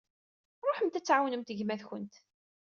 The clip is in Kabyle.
Ruḥemt ad tɛawnemt gma-tkumt.